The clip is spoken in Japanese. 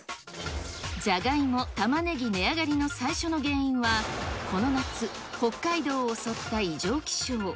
ジャガイモ、タマネギ値上がりの最初の原因は、この夏、北海道を襲った異常気象。